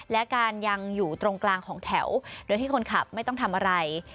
และการยังอยู่ตรงกลางของแถวโดยที่คนขับไม่ต้องทำอะไร